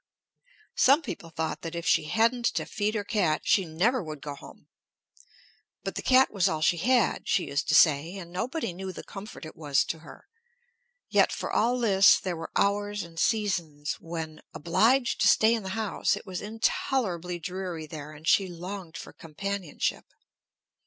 Some people thought that if she hadn't to feed her cat she never would go home. But the cat was all she had, she used to say, and nobody knew the comfort it was to her. Yet, for all this, there were hours and seasons when, obliged to stay in the house, it was intolerably dreary there, and she longed for companionship.